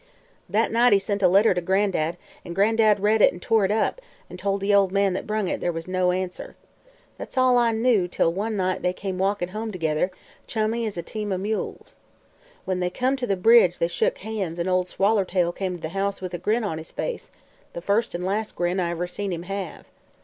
"That night he sent a letter to Gran'dad an' Gran'dad read it an' tore it up an' told the man that brung it there was no answer. That's all I knew till one night they come walkin' home together, chummy as a team o' mules. When they come to the bridge they shook hands an' Ol' Swallertail come to the house with a grin on his face the first an' last grin I ever seen him have."